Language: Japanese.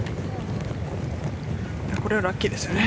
これはラッキーですね。